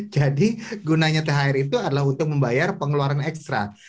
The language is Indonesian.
jadi gunanya thr itu adalah untuk membayar pengeluaran ekstra